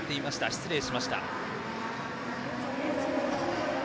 失礼しました。